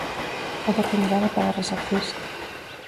Oportunidade para resarcirse.